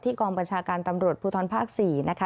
ที่กองบัญชาการตำรวจภูทธนภาคสี่นะคะ